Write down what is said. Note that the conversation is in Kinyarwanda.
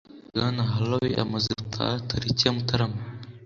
Bwana haroy amaze gutaha tariki ya mutarama